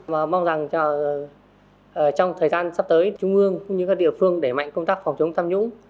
và mong rằng trong thời gian sắp tới trung ương cũng như các địa phương để mạnh công tác phòng chống tham nhũng